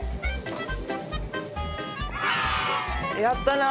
やったな！